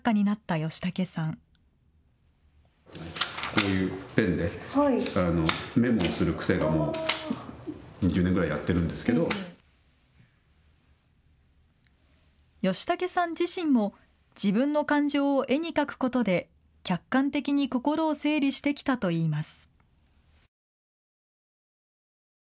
ヨシタケさん自身も自分の感情を絵に描くことで客観的に心を整理してきたといいます。